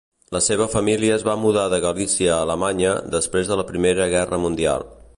La seva família es va mudar de Galícia a Alemanya després de la Primera Guerra Mundial.